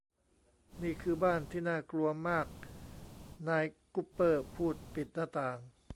นี่คือบ้านที่น่ากลัวมากนายกุปเปอร์พูดปิดหน้าต่าง